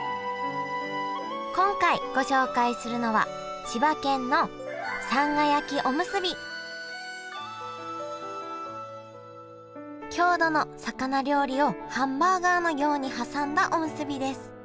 今回ご紹介するのは郷土の魚料理をハンバーガーのように挟んだおむすびです。